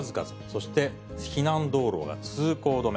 そして避難道路が通行止め。